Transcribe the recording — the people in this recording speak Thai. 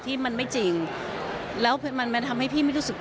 ที่มันไม่จริงแล้วมันมันทำให้พี่ไม่รู้สึก